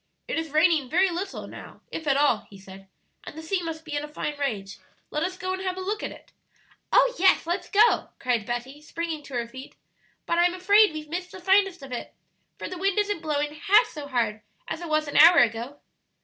"It is raining very little now, if at all," he said, "and the sea must be in a fine rage; let us go and have a look at it" "Oh, yes, let's go!" cried Betty, springing to her feet; "but I'm afraid we've missed the finest of it, for the wind isn't blowing half so hard as it was an hour ago."